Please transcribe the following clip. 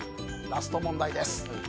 ラスト問題です。